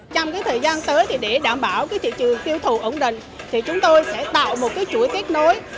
trong thời gian tới thì để đảm bảo thị trường tiêu thụ ổn định thì chúng tôi sẽ tạo một chuỗi kết nối